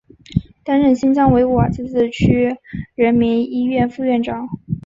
担任新疆维吾尔自治区人民医院副院长。